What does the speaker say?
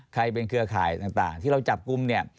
ใครเป็นเครือข่ายต่างที่เราจับกลุ่มเนี่ย